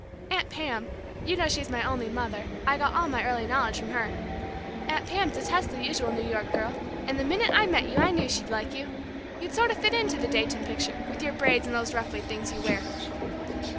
Aunt Pam you know she's my only mother, I got all my early knowledge from her! Aunt Pam detests the usual New York girl, and the minute I met you I knew she'd like you. You'd sort of fit into the Dayton picture, with your braids, and those ruffly things you wear!"